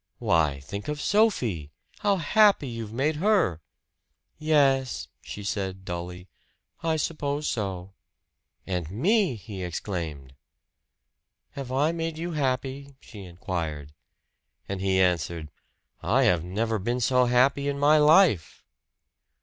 "Why think of Sophie! How happy you've made her." "Yes," she said dully. "I suppose so." "And me!" he exclaimed. "Have I made you happy?" she inquired. And he answered, "I have never been so happy in my life."